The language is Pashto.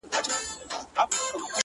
ستا بې روخۍ ته به شعرونه ليکم”